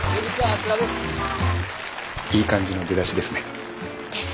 いい感じの出だしですね。ですね。